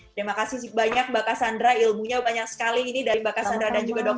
terima kasih banyak mbak kassandra ilmunya banyak sekali ini dari mbak kassandra dan juga dr hasto